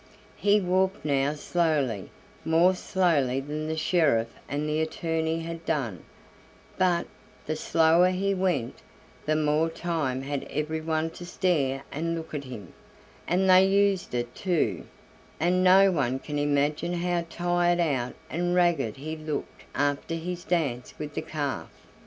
He walked now slowly more slowly than the sheriff and the attorney had done, but, the slower he went, the more time had everyone to stare and look at him; and they used it too, and no one can imagine how tired out and ragged he looked after his dance with the calf.